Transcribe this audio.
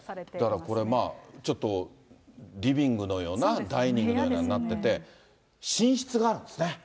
だからこれ、ちょっとリビングのような、ダイニングのようになってて、寝室があるんですね。